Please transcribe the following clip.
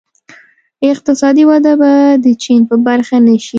اقتصادي وده به د چین په برخه نه شي.